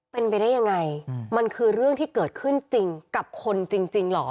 เป็นไปได้ยังไงมันคือเรื่องที่เกิดขึ้นจริงกับคนจริงเหรอ